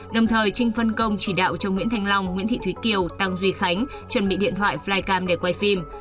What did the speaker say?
đồng thời trinh phân công chỉ đạo cho nguyễn thanh long nguyễn thị thúy kiều tăng duy khánh chuẩn bị điện thoại flycam để quay phim